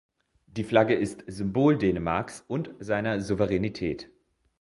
Die Flagge ist Symbol Dänemarks und seiner Souveränität.